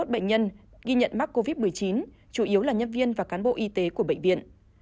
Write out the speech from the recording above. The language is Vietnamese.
hai mươi bệnh nhân ghi nhận mắc covid một mươi chín chủ yếu là nhân viên và cán bộ y tế của bệnh viện